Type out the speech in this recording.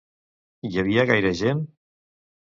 Hi havia gaire gent?